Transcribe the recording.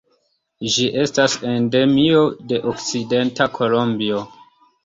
Ĝi estas endemio de okcidenta Kolombio.